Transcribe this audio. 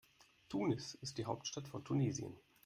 Tunis ist die Hauptstadt von Tunesien.